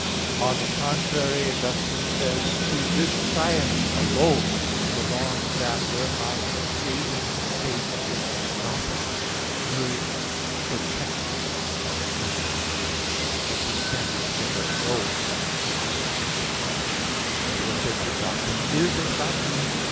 On the contrary, Augustine says (De Trin. xiv, 1) "to this science alone belongs that whereby saving faith is begotten, nourished, protected and strengthened." But this can be said of no science except sacred doctrine. Therefore sacred doctrine is a science.